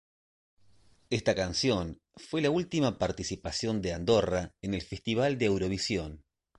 Esta canción fue la última participación de Andorra en el Festival de Eurovisión.